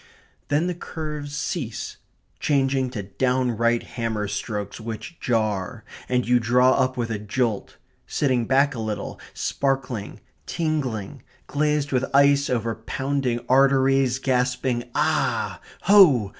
Then the curves cease, changing to downright hammer strokes, which jar; and you draw up with a jolt; sitting back a little, sparkling, tingling, glazed with ice over pounding arteries, gasping: "Ah! ho!